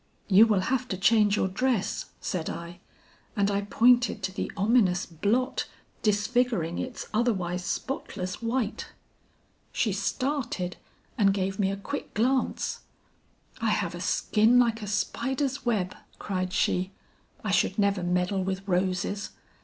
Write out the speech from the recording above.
"'You will have to change your dress,' said I, and I pointed to the ominous blot disfiguring its otherwise spotless white. "She started and gave me a quick glance. "'I have a skin like a spider's web," cried she. 'I should never meddle with roses.'